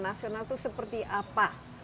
nasional itu seperti apa